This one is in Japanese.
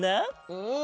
うん。